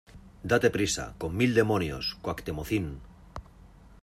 ¡ date prisa, con mil demonios , Cuactemocín!